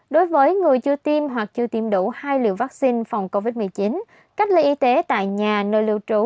đối với người chưa tiêm hoặc chưa tiêm đủ hai liều vaccine phòng covid một mươi chín cách ly y tế tại nhà nơi lưu trú